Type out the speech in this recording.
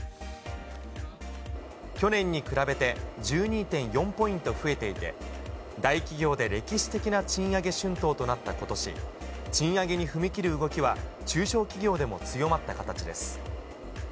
去年に比べて、１２．４ポイント増えていて、大企業で歴史的な賃上げ春闘となったことし、賃上げに踏み切る動きは中小企業でも強まった形です。